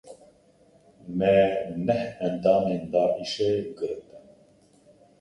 Me neh endamên Daişê girtin.